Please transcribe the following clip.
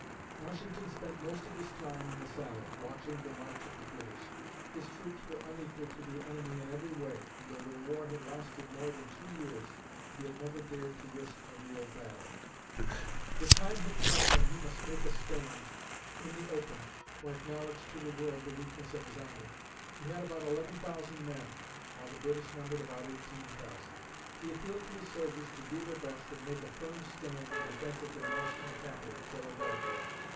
Washington spent most of his time in the saddle, watching the march of the British. His troops were unequal to the enemy in every way, and though the war had lasted more than two years, he had never dared to risk a real battle. The time had come when he must make a stand in the open or acknowledge to the world the weakness of his army. He had about eleven thousand men, while the British numbered about eighteen thousand. He appealed to his soldiers to do their best and make a firm stand in defense of their national capital (Philadelphia).